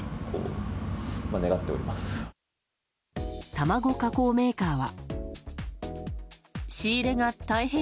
卵加工メーカーは。